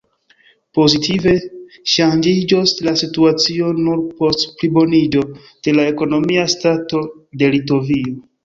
Pozitive ŝanĝiĝos la situacio nur post pliboniĝo de la ekonomia stato de Litovio.